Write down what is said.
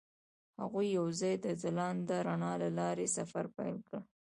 هغوی یوځای د ځلانده رڼا له لارې سفر پیل کړ.